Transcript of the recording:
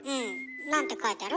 何て書いてある？